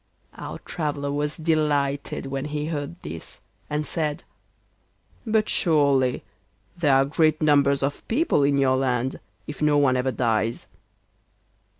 Our traveller was delighted when he heard this, and said: 'But surely there are great numbers of people in your land, if no one ever dies?